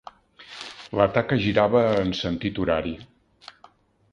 La taca girava en sentit horari.